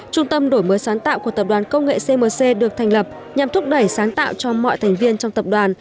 trung tâm đổi mới sáng tạo của tập đoàn công nghệ cmc được thành lập nhằm thúc đẩy sáng tạo cho mọi thành viên trong tập đoàn